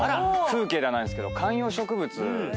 風景ではないですけど観葉植物。